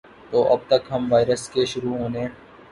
تو اب تک ہم وائرس کے شروع ہونے